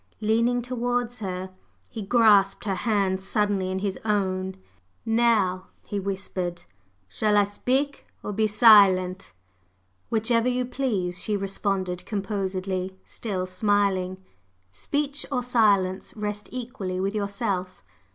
Leaning towards her, he grasped her hands suddenly in his own. "Now," he whispered, "shall I speak or be silent?" "Whichever you please," she responded composedly, still smiling. "Speech or silence rest equally with yourself.